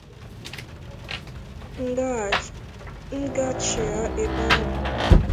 m gachigha ebe ahụ